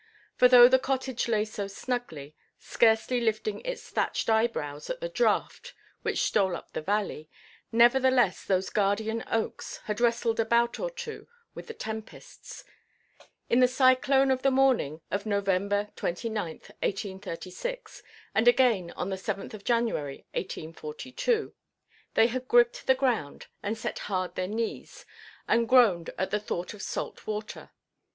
For though the cottage lay so snugly, scarcely lifting its thatched eyebrows at the draught which stole up the valley, nevertheless those guardian oaks had wrestled a bout or two with the tempests. In the cyclone on the morning of November 29th, 1836, and again on the 7th of January, 1842, they had gripped the ground, and set hard their knees, and groaned at the thought of salt water.